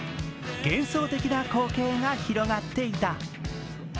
幻想的な光景が広がっていた。